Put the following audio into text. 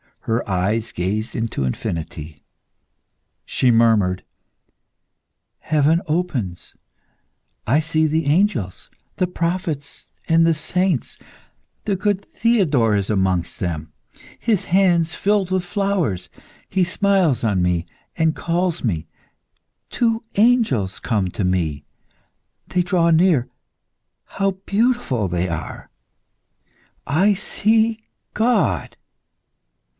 Her eyes gazed into infinity. She murmured "Heaven opens. I see the angels, the prophets, and the saints. ... The good Theodore is amongst them, his hands filled with flowers; he smiles on me and calls me. ... Two angels come to me. They draw near. ... How beautiful they are! I see God!"